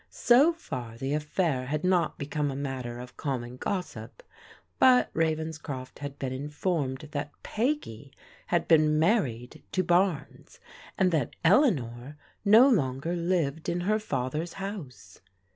So far, the affair had not become a matter of conmion gossip, but Ravenscroft had been in formed that Peggy had been married to Barnes, and that Eleanor no longer lived in her father's house.